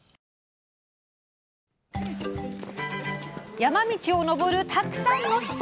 山道を登るたくさんの人。